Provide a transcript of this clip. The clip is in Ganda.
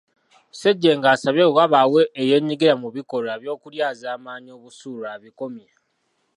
Ssejjengo asabye bwe wabaawo eyeenyigira mu bikolwa by'okulyazaamaanya obusuulu abikomye.